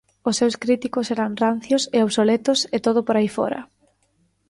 Os seus críticos eran rancios e obsoletos e todo por aí fóra.